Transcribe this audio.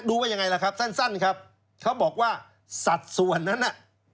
ว่ายังไงล่ะครับสั้นครับเขาบอกว่าสัดส่วนนั้นน่ะ